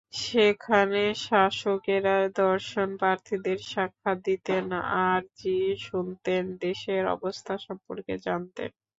সেখানে শাসকেরা দর্শনপ্রার্থীদের সাক্ষাৎ দিতেন, আরজি শুনতেন, দেশের অবস্থা সম্পর্কে জানতেন।